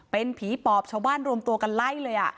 เป็นผีปอบชาวบ้านรวมตัวกันไล่เลย